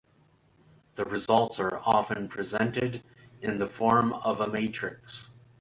The results are often presented in the form of a matrix.